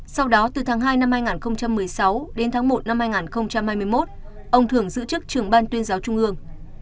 sau đó từ tháng hai năm hai nghìn một mươi sáu đến tháng một năm hai nghìn hai mươi một ông thường giữ chức trưởng ban tuyên giáo trung ương